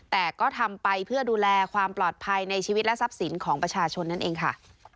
แต่ก็ทำไปเพื่อดูแลความปลอดภัยในชีวิตและทรัพย์สินของประชาชนนั่นเองค่ะ